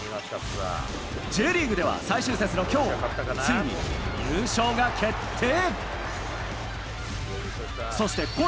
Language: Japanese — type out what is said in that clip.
Ｊリーグでは最終節のきょう、ついに優勝が決定。